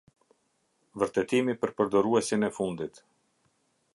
Vërtetimi për përdoruesin e fundit.